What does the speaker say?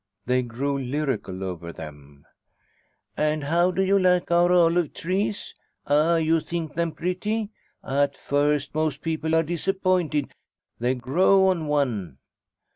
They grew lyrical over them: "And how do you like our olive trees? Ah, you think them pretty. At first, most people are disappointed. They grow on one."